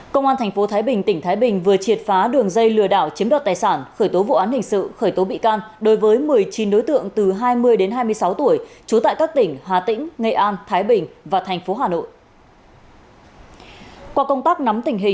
công an tp thái bình tỉnh thái bình vừa triệt phá đường dây lừa đảo chiếm đoạt tài sản khởi tố vụ án hình sự khởi tố bị can đối với một mươi chín đối tượng từ hai mươi đến hai mươi sáu tuổi trú tại các tỉnh hà tĩnh nghệ an thái bình và tp hà nội